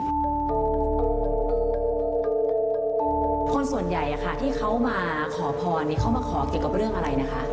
คนส่วนใหญ่ที่เขามาขอพรเขามาขอเกี่ยวกับเรื่องอะไรนะคะ